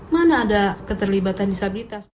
mana ada keterlibatan disabilitas